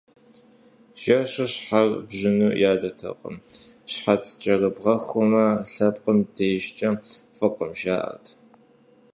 Жэщу щхьэр бжьыну ядэртэкъым, щхьэц кӀэрыбгъэхумэ, лъэпкъым дежкӀэ фӀыкъым, жаӀэрт.